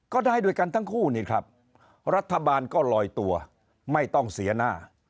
ได้ด้วยกันทั้งคู่นี่ครับรัฐบาลก็ลอยตัวไม่ต้องเสียหน้า